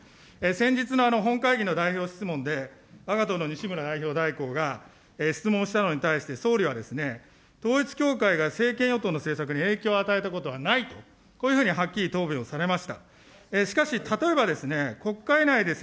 先日の本会議の代表質問で、わが党の西村代表代行が質問したのに対して、総理は統一教会が政権与党の政策に影響を与えたことはないと、こういうふうにはっきり答弁をされました。